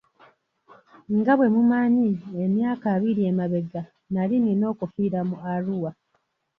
Nga bwemumanyi emyaka abiri emabega nali nina okufiira mu Arua.